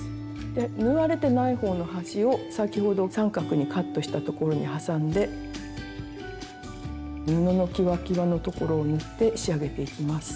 で縫われてないほうの端を先ほど三角にカットしたところに挟んで布のキワキワのところを縫って仕上げていきます。